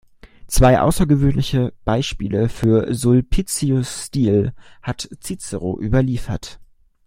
Zwei außergewöhnliche Beispiele für Sulpicius’ Stil hat Cicero überliefert.